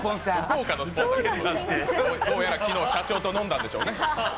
どうやら昨日、社長と飲んだんでしょうね。